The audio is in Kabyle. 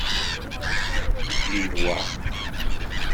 Iwa?